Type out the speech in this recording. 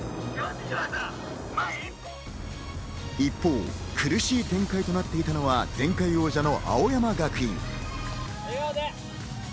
一方、苦しい展開となっていたのは前回王者の青山学院。